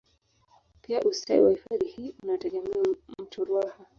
Pia ustawi wa hifadhi hii unategemea mto ruaha